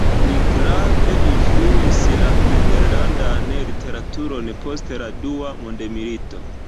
Li grave influis la nederlandan literaturon post la Dua Mondmilito.